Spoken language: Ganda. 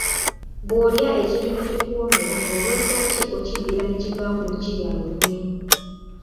Bw'olya ekintu ne kikuwoomera olwa ddaaki okiddira n’ekivaamu n’okirya lunye.